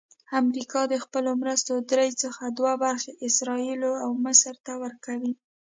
امریکا د خپلو مرستو درې څخه دوه برخې اسراییلو او مصر ته ورکوي.